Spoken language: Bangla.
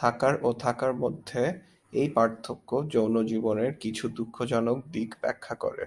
থাকার ও থাকার মধ্যে এই পার্থক্য যৌন জীবনের কিছু দুঃখজনক দিক ব্যাখ্যা করে।